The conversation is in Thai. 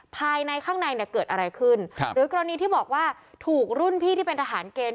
ภายในข้างในเนี่ยเกิดอะไรขึ้นครับหรือกรณีที่บอกว่าถูกรุ่นพี่ที่เป็นทหารเกณฑ์